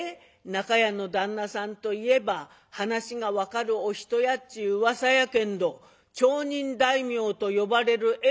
中屋の旦那さんといえば話が分かるお人やっちゅううわさやけんど町人大名と呼ばれる偉いお人なんやぞ。